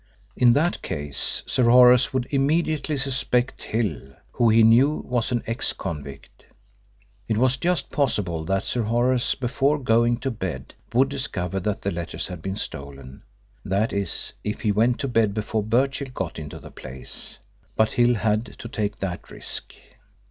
In that case Sir Horace would immediately suspect Hill, who, he knew, was an ex convict. It was just possible that Sir Horace, before going to bed, would discover that the letters had been stolen that is, if he went to bed before Birchill got into the place but Hill had to take that risk.